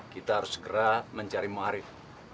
kita harus segera mencari muarif